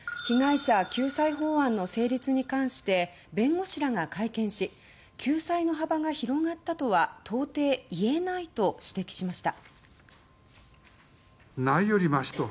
被害者救済法案の成立に関して弁護士らが会見し救済の幅が広がったとは到底言えないと指摘しました。